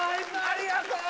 ありがとう！